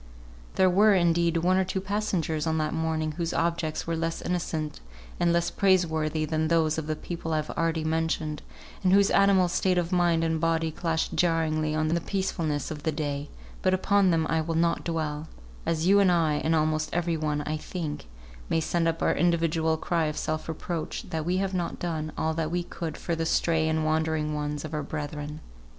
To be sure, there were one or two passengers on that morning whose objects were less innocent and less praiseworthy than those of the people I have already mentioned, and whose animal state of mind and body clashed jarringly on the peacefulness of the day; but upon them I will not dwell: as you and I, and almost every one, I think, may send up our individual cry of self reproach that we have not done all that we could for the stray and wandering ones of our brethren.